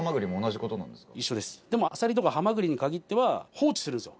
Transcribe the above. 一緒ですでもアサリとかハマグリに限っては放置するんですよ